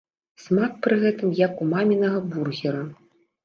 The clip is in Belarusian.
Смак пры гэтым як у мамінага бургера.